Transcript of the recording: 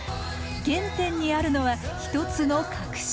原点にあるのは一つの確信。